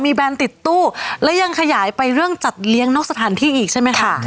แบรนด์ติดตู้และยังขยายไปเรื่องจัดเลี้ยงนอกสถานที่อีกใช่ไหมคะ